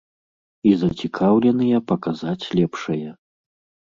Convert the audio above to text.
І зацікаўленыя паказаць лепшае.